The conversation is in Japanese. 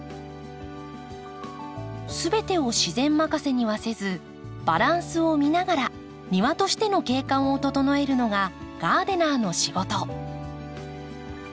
すべてを自然任せにはせずバランスを見ながら庭としての景観を整えるのがガーデナーの仕事。